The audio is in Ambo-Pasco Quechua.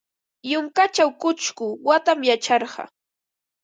Yunkaćhaw ćhusku watam yacharqa.